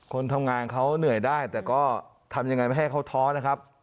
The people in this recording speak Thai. คนทำงานเขาเหนื่อยได้แต่ก็ทำยังไงไม่ให้เขาท้อนะครับ